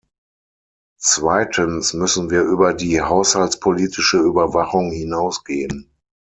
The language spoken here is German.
Zweitens müssen wir über die haushaltspolitische Überwachung hinausgehen.